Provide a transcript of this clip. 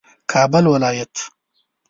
کابل ولایت